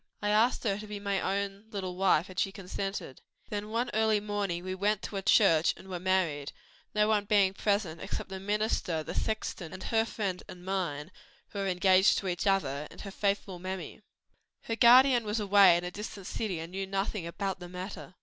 "I asked her to be my own little wife and she consented. Then early one morning we went to a church and were married; no one being present except the minister, the sexton, and her friend and mine, who were engaged to each other, and her faithful mammy. "Her guardian was away in a distant city and knew nothing about the matter.